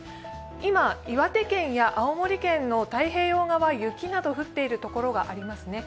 今、岩手県や青森県の太平洋側、雪など降っているところがあります。